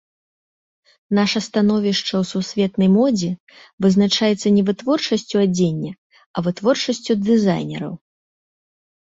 Наша становішча ў сусветнай модзе вызначаецца не вытворчасцю адзення, а вытворчасцю дызайнераў.